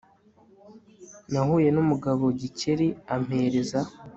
Nahuye numugabo Gikeli ampereza